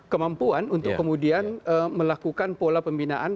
kemampuan untuk kemudian melakukan pola pembinaan